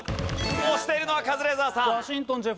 押しているのはカズレーザーさん。